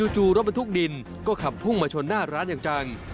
จู่รถบรรทุกดินก็ขับพุ่งมาชนหน้าร้านอย่างจัง